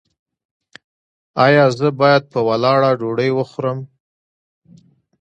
ایا زه باید په ولاړه ډوډۍ وخورم؟